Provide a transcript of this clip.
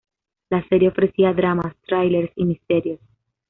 La serie ofrecía dramas, thrillers y misterios.